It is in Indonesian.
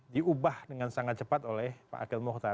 diubah dengan sangat cepat oleh pak akhil muhtar